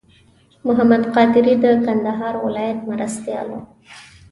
محمد قادري د کندهار ولایت مرستیال و.